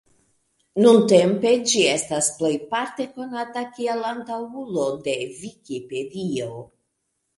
Nuntempe, ĝi estas plejparte konata kiel antaŭulo de Vikipedio.